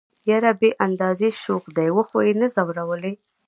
يره بې اندازه شوخ دي وخو يې نه ځورولئ.